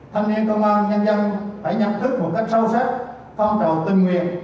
thanh niên công an nhân dân phải nhận thức một cách sâu sắc phong trào tình nguyện